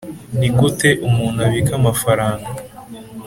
nigute umuntu abika amafaranga